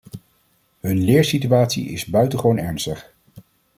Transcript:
Hun leersituatie is buitengewoon ernstig.